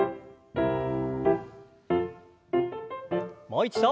もう一度。